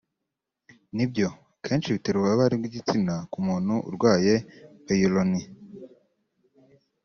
nibyo kenshi bitera ububabare bw’igitsina ku muntu urwaye ‘peyronie’